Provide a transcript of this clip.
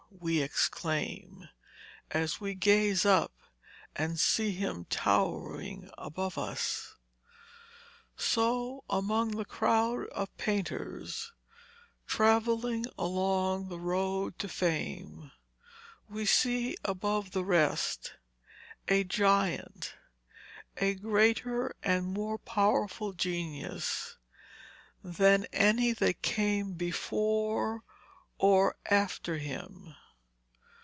we exclaim, as we gaze up and see him towering above us. So among the crowd of painters travelling along the road to Fame we see above the rest a giant, a greater and more powerful genius than any that came before or after him.